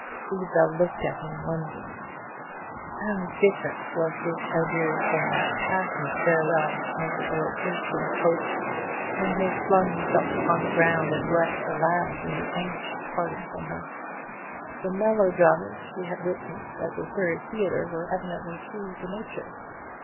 Isabel looked at him wonderingly. How different was this adieu from that passionate farewell under Lord Thurston's oak, when he had flung himself upon the ground and wept aloud in the anguish of parting from her! The melodramas she had witnessed at the Surrey Theatre were evidently true to nature.